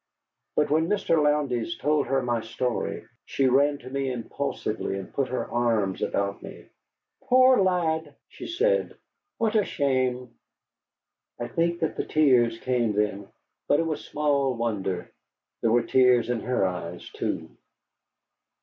But when Mr. Lowndes told her my story, she ran to me impulsively and put her arms about me. "Poor lad!" she said. "What a shame!" I think that the tears came then, but it was small wonder. There were tears in her eyes, too.